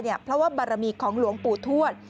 เพราะว่าบารมีของหลวงปู่ทวด